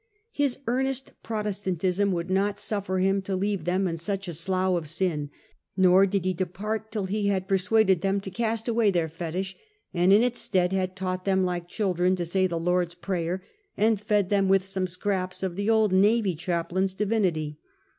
His earnest Protestantism would not suffer him to leave them in such a slough of sin, nor did he depart till he had persuaded them to cast away their fetich, and in its stead had taught them like children to say the Lord's Prayer, and ted them with some scraps of the old navy chaplain's divinity.